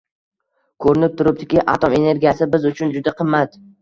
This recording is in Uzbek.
Ko'rinib turibdiki, atom energiyasi biz uchun juda qimmat